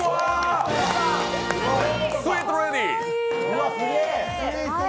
スイートレディ！